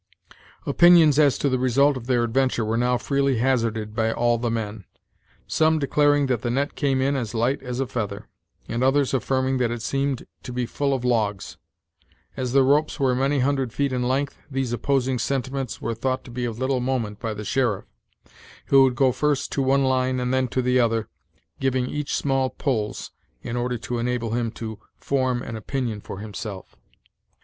Opinions as to the result of their adventure were now freely hazarded by all the men, some declaring that the net came in as light as a feather, and others affirming that it seemed to be full of logs. As the ropes were many hundred feet in length, these opposing sentiments were thought to be of little moment by the sheriff, who would go first to one line, and then to the other, giving each small pull, in order to enable him to form an opinion for himself.